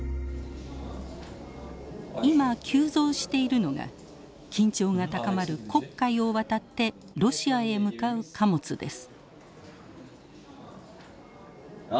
今急増しているのが緊張が高まる黒海を渡ってロシアへ向かう貨物です。